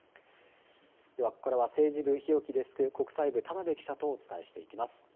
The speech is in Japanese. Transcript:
ではここからは政治部日置デスク、国際部田辺記者とお伝えしていきます。